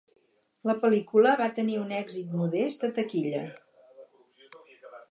La pel·lícula va tenir un èxit modest a taquilla.